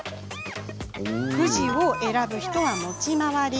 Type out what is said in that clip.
くじを選ぶ人は持ち回り。